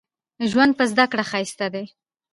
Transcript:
ژوند په زده کړه ښايسته دې